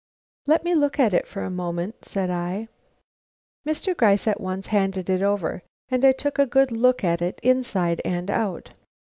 "Let me look at it for a moment," said I. Mr. Gryce at once handed it over, and I took a good look at it inside and out.